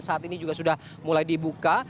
saat ini juga sudah mulai dibuka